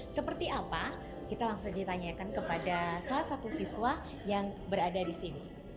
seperti apa kita langsung ditanyakan kepada salah satu siswa yang berada di sini